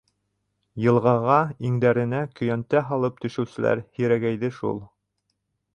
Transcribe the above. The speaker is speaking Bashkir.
Йылғаға иңдәренә көйәнтә һалып төшөүселәр һирәгәйҙе шул.